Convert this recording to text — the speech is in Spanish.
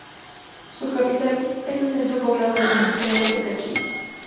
Su capital es el centro poblado de San Pedro de Cachi.